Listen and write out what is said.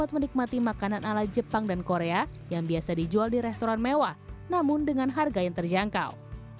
untuk menikmati makanan ala jepang dan korea yang biasa dijual di restoran mewah namun dengan harga yang terjangkau